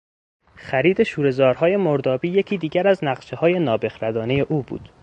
خرید شورهزارهای مردابی یکی دیگر از نقشههای نابخردانهی او بود.